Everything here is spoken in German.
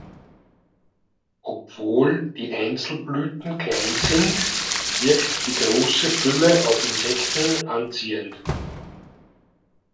Obwohl die Einzelblüten klein sind, wirkt die große Fülle auf Insekten anziehend.